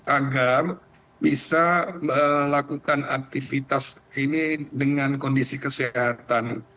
agar bisa melakukan aktivitas ini dengan kondisi kesehatan